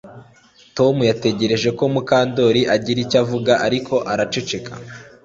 Tom yategereje ko Mukandoli agira icyo avuga ariko araceceka